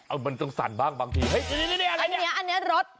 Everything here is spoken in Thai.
อังกฤษทั้งสั่นบ้างบางทีนะนี่นี่อันนี้รถ